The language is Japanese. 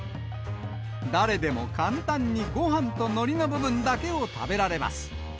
誰でも簡単にごはんとのりの部分だけを食べられます。